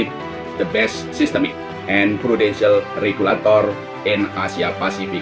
pembangunan sistemik dan regulator prudensial di asia pasifik dua ribu dua puluh satu